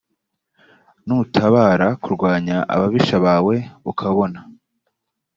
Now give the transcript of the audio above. nutabara kurwanya ababisha bawe ukabona